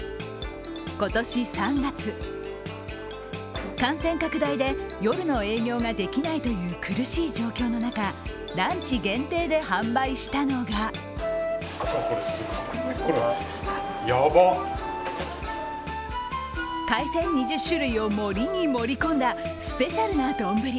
今年３月、感染拡大で夜の営業ができないという苦しい状況の中ランチ限定で販売したのが海鮮２０種類を盛りに盛り込んだスペシャルな丼。